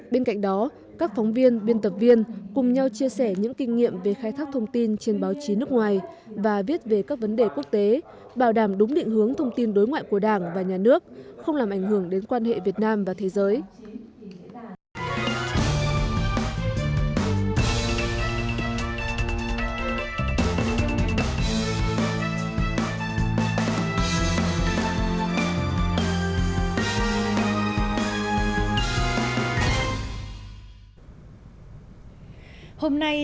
bên cạnh đó các phóng viên biên tập viên cùng nhau chia sẻ những kinh nghiệm về khai thác thông tin trên báo chí nước ngoài và viết về các vấn đề quốc tế bảo đảm đúng định hướng thông tin đối ngoại của đảng và nhà nước không làm ảnh hưởng đến quan hệ việt nam và thế giới